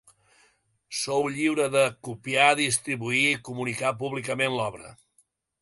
Sou lliure de: copiar, distribuir i comunicar públicament l'obra.